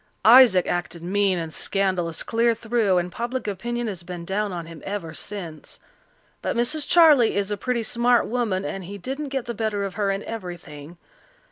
Isaac acted mean and scandalous clear through, and public opinion has been down on him ever since. But Mrs. Charley is a pretty smart woman, and he didn't get the better of her in everything.